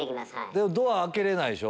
でもドア開けれないでしょ？